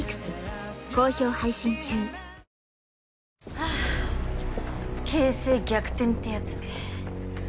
ああ形勢逆転ってやつね。